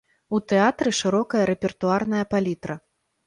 У тэатры шырокая рэпертуарная палітра.